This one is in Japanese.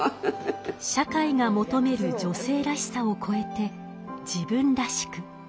社会が求める「女性らしさ」を超えて自分らしく。